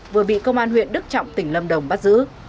vừa bị công an huyện đức trọng tỉnh lâm đồng bắt giữ